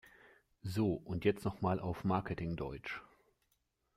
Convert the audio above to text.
So, und jetzt noch mal auf Marketing-Deutsch!